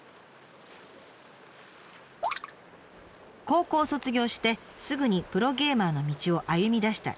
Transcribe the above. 高校を卒業してすぐにプロゲーマーの道を歩みだしたＩＸＡ。